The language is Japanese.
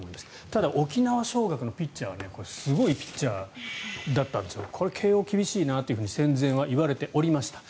ただ、沖縄尚学のピッチャーはすごいピッチャーだったんですが慶応、厳しいなと戦前は言われておりました。